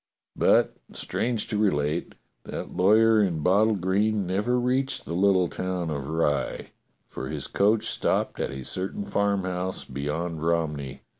But, strange to relate, that lawyer in bottle green never reached the little town of Rye, for his coach stopped at a certain farmhouse beyond Rom ney.